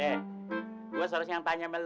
tinggal di usir harr gegen die marne